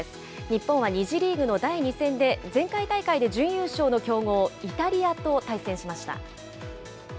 日本は２次リーグの第２戦で、前回大会で準優勝の強豪、イタリアと対戦しました。